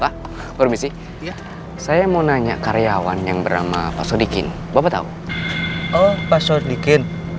pak permisi saya mau nanya karyawan yang berama pak sodikin bapak tahu oh pak sodikin